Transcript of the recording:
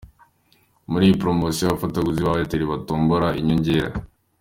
Muri iyi poromosiyo abafatabuguzi ba Airtel batombola inyongera .